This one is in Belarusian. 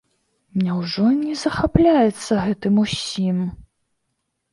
Няўжо ён не захапляецца гэтым усім?